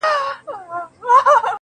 وړتیا او کړنو پرته یوازي